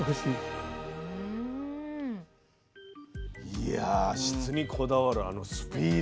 いや質にこだわるあのスピード。